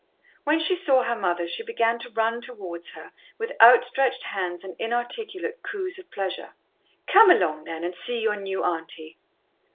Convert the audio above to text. When she saw her mother she began to run towards her, with outstretched hands and inarticulate coos of pleasure. "Come along, then, and see your new Auntie."